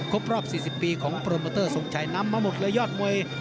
ครบครอบ๔๐ปีของโปรแมตเตอร์สงชัยนำมาหมดเลยอาทรณ์มวย